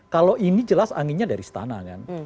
kalau ini jelas anginnya dari istana kan